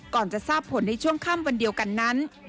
จะทราบผลในช่วงค่ำวันเดียวกันนั้น